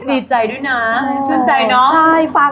ดีใจด้วยนะชื่นใจเนาะ